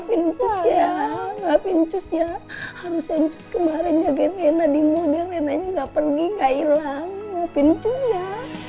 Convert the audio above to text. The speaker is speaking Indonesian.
pincus ya ga pincus ya harusnya pincus kemarin jagain rena di model renanya ga pergi ga ilang ga pincus ya